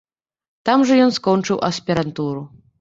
Там жа ён скончыў аспірантуру.